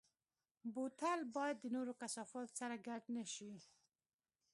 بوتل باید د نورو کثافاتو سره ګډ نه شي.